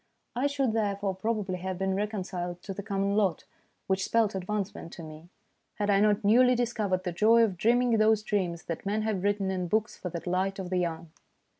I should therefore probably have been recon ciled to the common lot, which spelt advance ment to me, had I not newly discovered the joy of dreaming those dreams that men have written in books for the delight of the young.